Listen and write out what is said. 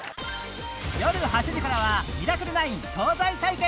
よる８時からは『ミラクル９』東西対決！